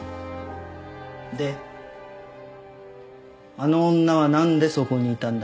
あの女は何でそこにいたんだ？